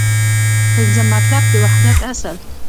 پنځم مطلب : د وحدت اصل